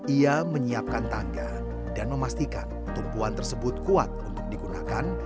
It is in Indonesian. ia menyiapkan tangga dan memastikan tumpuan tersebut kuat untuk digunakan